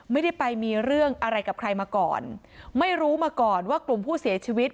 ไม่ได้ไปมีเรื่องอะไรกับใครมาก่อนไม่รู้มาก่อนว่ากลุ่มผู้เสียชีวิต